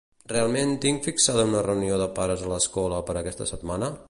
Realment tinc fixada una reunió de pares a l'escola per aquesta setmana?